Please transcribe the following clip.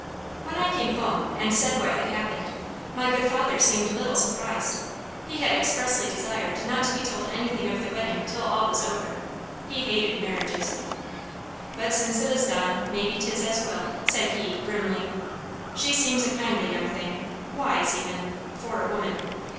When I came home and said what had happened my good father seemed little surprised. He had expressly desired not to be told anything of the wedding till all was over he hated marriages. "But since it is done, maybe 'tis as well," said he, grimly. "She seems a kindly young thing; wise, even for a woman."